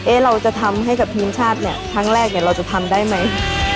เราจะทำให้กับทีมชาติเนี่ยครั้งแรกเนี่ยเราจะทำได้ไหม